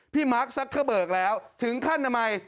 พี่มาร์คซักเข้าเบิกแล้วถึงขั้นใหม่